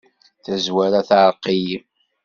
Tazwara teɛreq-iyi.